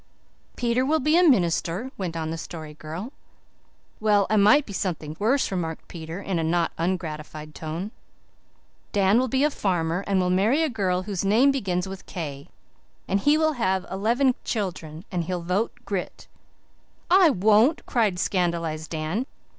"Peter will be a minister," went on the Story Girl. "Well, I might be something worse," remarked Peter, in a not ungratified tone. "Dan will be a farmer and will marry a girl whose name begins with K and he will have eleven children. And he'll vote Grit." "I won't," cried scandalized Dan.